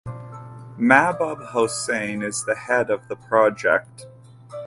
Mahbub Hossain is the head of the project.